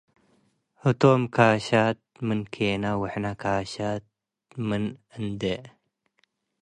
ህቶም ካሸት ምንኬነ ወሕነ ካሸት ምን እንዴ፣